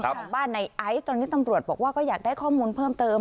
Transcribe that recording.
ของบ้านในไอซ์ตอนนี้ตำรวจบอกว่าก็อยากได้ข้อมูลเพิ่มเติม